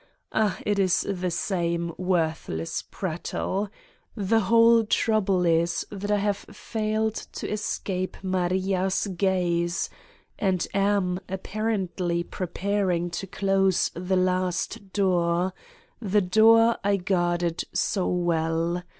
Ah, it is the same, worthless prattle! The whole trouble is that I have failed to escape Maria's gaze and am, ap parently preparing to close the last door, the door I guarded so well.